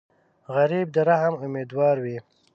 غریب د رحم امیدوار وي